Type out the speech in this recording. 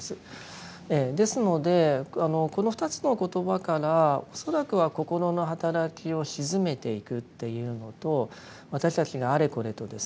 ですのでこの２つの言葉から恐らくは心の働きを静めていくというのと私たちがあれこれとですね